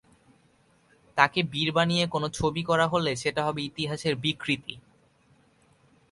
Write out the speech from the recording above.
তাঁকে বীর বানিয়ে কোনো ছবি করা হলে সেটা হবে ইতিহাস বিকৃতি।